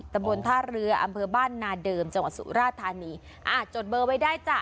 บนท่าเรืออำเภอบ้านนาเดิมจังหวัดสุราธานีอ่าจดเบอร์ไว้ได้จ้ะ